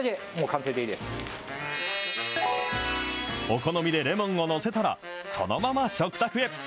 お好みでレモンを載せたら、そのまま食卓へ。